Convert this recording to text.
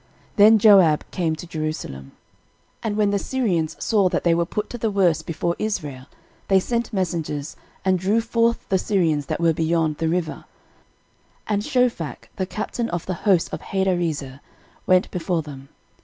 Then Joab came to Jerusalem. 13:019:016 And when the Syrians saw that they were put to the worse before Israel, they sent messengers, and drew forth the Syrians that were beyond the river: and Shophach the captain of the host of Hadarezer went before them.